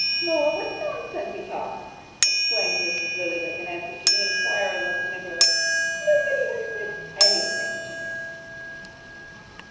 'Lor, what nonsense he talks!' exclaimed Mrs. Lillyvick in answer to the inquiring look of Nicholas. 'Nobody has said anything to me.